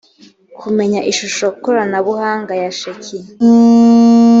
kumenya ishusho korabuhanga ya sheki